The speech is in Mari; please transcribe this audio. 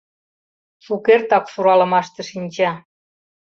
— Шукертак суралымаште шинча.